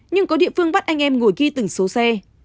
nhưng có địa phương bắt anh em ngồi ghi từng số xe